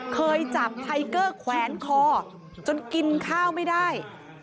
เคยจับไทเกอร์แขวนคอจนกินข้าวไม่ได้